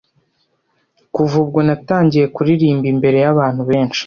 Kuva ubwo natangiye kuririmbira imbere y’abantu benshi